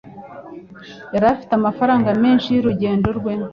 Yari afite amafaranga menshi y'urugendo rwe.